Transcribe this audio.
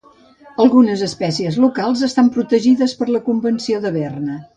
Algunes espècies locals estan protegides per la Convenció de Berna.